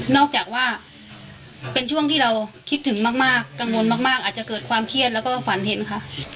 จากว่าเป็นช่วงที่เราคิดถึงมากกังวลมากอาจจะเกิดความเครียดแล้วก็ฝันเห็นค่ะ